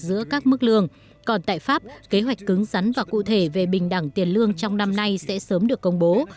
giữa các mức lương còn tại pháp kế hoạch cứng rắn và cụ thể về bình đẳng tiền lương trong năm nay sẽ sớm được công bố